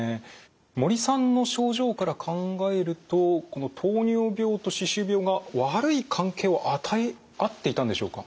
森さんの症状から考えるとこの糖尿病と歯周病が悪い関係を与え合っていたんでしょうか？